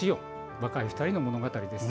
若い２人の物語です。